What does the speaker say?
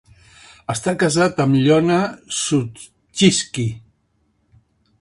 Està casat amb Ilona Suschitzky.